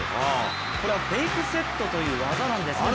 これはフェークセットという技なんです。